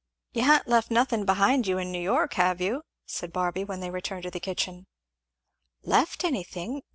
"You ha'n't left nothing behind you in New York, have you?" said Barby when they returned to the kitchen. "Left anything!